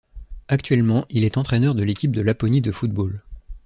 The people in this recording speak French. Actuellement il est entraîneur de l'équipe de Laponie de football.